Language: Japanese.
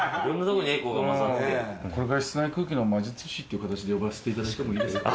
これから、室内空気の魔術師という形で呼ばせてもらってもいいですか？